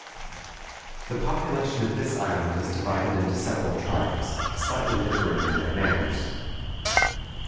The population of this island is divided into several tribes, slightly differing in their manners.